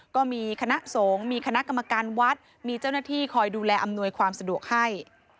ก็มีคณะสงฆ์มีคณะกรรมการวัดมีเจ้าหน้าที่คอยดูแลอำนวยความสะดวกให้